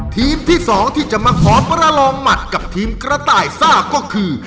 ทีมที่๒ที่จะมาขอประลองหมัดกับทีมกระต่ายซ่าก็คือ